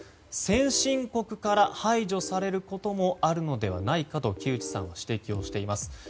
先進国から排除されることもあるのではないかと木内さんは指摘をしています。